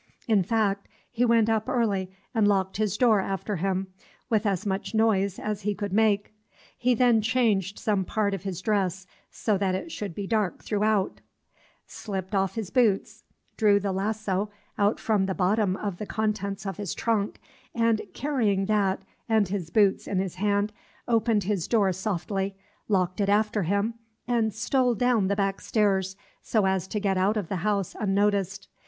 In fact, he went up early, and locked his door after him, with as much noise as he could make. He then changed some part of his dress, so that it should be dark throughout, slipped off his boots, drew the lasso out from the bottom of the contents of his trunk, and, carrying that and his boots in his hand, opened his door softly, locked it after him, and stole down the back stairs, so as to get out of the house unnoticed.